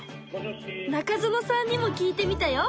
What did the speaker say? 中園さんにも聞いてみたよ。